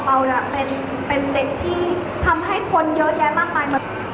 เพราะว่าเป่าเป่าเป็นเด็กที่ก็ทำให้คนเยอะแยะมากมาย